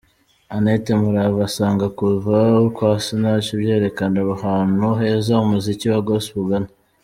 Annette Murava asanga kuza kwa Sinach byerekana ahantu heza umuziki wa Gospel ugana.